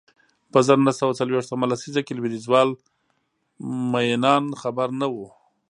په زر نه سوه څلویښتمه لسیزه کې لوېدیځوال مینان خبر نه و